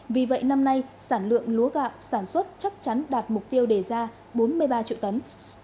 vì vậy năm nay sản lượng lúa gạo sản xuất chắc chắn đạt mục tiêu đề ra bốn mươi ba triệu tấn